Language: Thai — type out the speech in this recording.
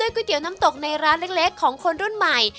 เตี๋ยน้ำตกในร้านเล็กของคนรุ่นใหม่